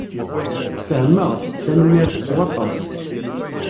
Fehmeɣ-d. Tanemmirt s waṭas.